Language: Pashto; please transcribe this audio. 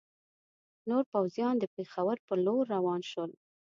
نور پوځیان د پېښور پر لور روان شول.